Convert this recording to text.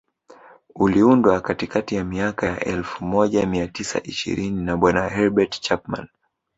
uliundwa katikati ya miaka ya elfu moja mia tisa ishirini na bwana Herbert Chapman